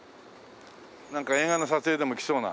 なんか映画の撮影でも来そうな。